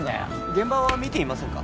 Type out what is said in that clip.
現場は見ていませんか？